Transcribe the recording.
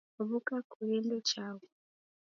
W'uka kughende chaghu